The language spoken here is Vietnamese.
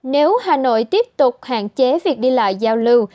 nếu hà nội tiếp tục hạn chế việc đi lại giao lưu